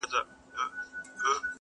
کرونا-